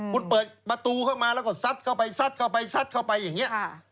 คุณเปิดประตูเข้ามาแล้วก็ซัดเข้าไปซัดเข้าไปซัดเข้าไปอย่างนี้